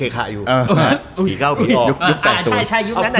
คุณสมัครอ๋อ